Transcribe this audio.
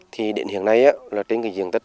thì điện hiện nay trên cái diện tích